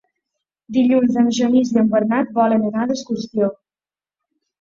Dilluns en Genís i en Bernat volen anar d'excursió.